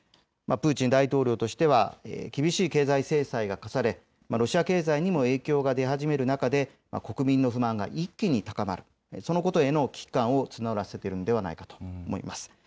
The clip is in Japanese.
プーチン大統領としては厳しい経済制裁が科され、ロシア経済にも影響が出始める中で、国民の不満が一気に高まる、そのことへの危機感を募らせているのではないかと思います。